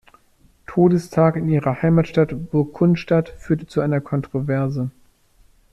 Todestag in ihrer Heimatstadt Burgkunstadt führte zu einer Kontroverse.